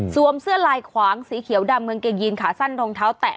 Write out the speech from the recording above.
สวมเสื้อลายขวางสีเขียวดำเหมือนเก่งยีนขาสั้นทองเท้าแตะ